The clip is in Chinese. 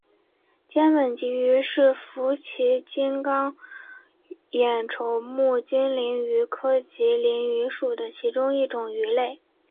尖吻棘鳞鱼是辐鳍鱼纲金眼鲷目金鳞鱼科棘鳞鱼属的其中一种鱼类。